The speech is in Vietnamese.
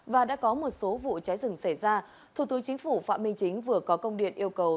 và đã có một số vụ cháy rừng xảy ra thủ tướng chính phủ phạm minh chính vừa có công điện yêu cầu